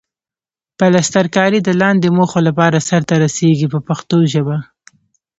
پلسترکاري د لاندې موخو لپاره سرته رسیږي په پښتو ژبه.